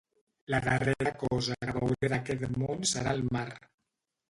La darrera cosa que veuré d'aquest món serà el mar.